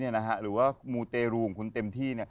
หรือว่ามูเตรูของคุณเต็มที่